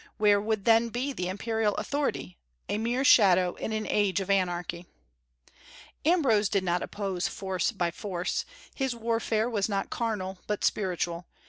Where would then be the imperial authority? a mere shadow in an age of anarchy. Ambrose did not oppose force by force. His warfare was not carnal, but spiritual.